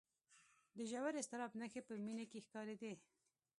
د ژور اضطراب نښې په مينې کې ښکارېدې